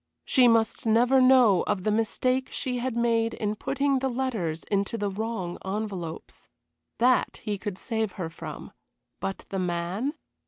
She must never know of the mistake she had made in putting the letters into the wrong envelopes. That he could save her from. But the man?